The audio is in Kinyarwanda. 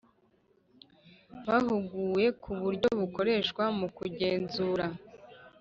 Bahuguwe ku uburyo bukoreshwa mu kugenzura